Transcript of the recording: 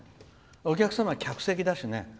お客様、客席だしね。